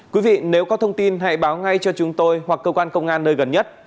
quý vị nếu có thông tin hãy báo ngay cho chúng tôi hoặc cơ quan công an nơi gần nhất